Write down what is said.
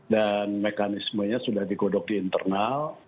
dan mekanismenya sudah digodok di internal